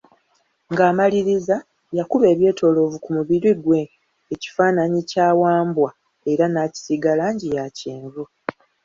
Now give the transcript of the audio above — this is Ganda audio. Nga amaliriza, yakuba ebyetoloovu ku mubiri gwe kifananyi kya Wambwa era naakisiiga langi ya kyenvu.